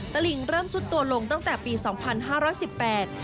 ตลิงเริ่มซุดตัวลงตั้งแต่ปีสองพันห้าร้อยสิบแปด